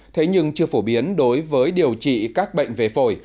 thế nhưng chưa phổ biến đối với điều trị các bệnh về phổi